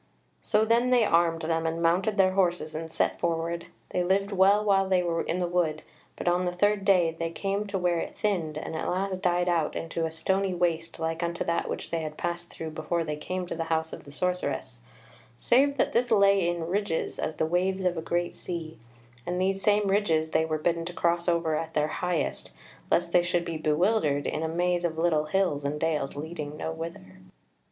So then they armed them, and mounted their horses and set forward. They lived well while they were in the wood, but on the third day they came to where it thinned and at last died out into a stony waste like unto that which they had passed through before they came to the House of the Sorceress, save that this lay in ridges as the waves of a great sea; and these same ridges they were bidden to cross over at their highest, lest they should be bewildered in a maze of little hills and dales leading no whither.